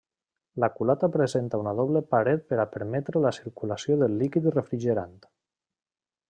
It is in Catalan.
La culata presenta una doble paret per a permetre la circulació del líquid refrigerant.